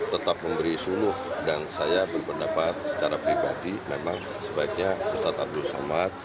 tetap memberi suluh dan saya berpendapat secara pribadi memang sebaiknya ustadz abdul samad